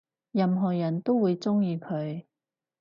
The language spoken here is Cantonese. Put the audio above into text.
任何人都會鍾意佢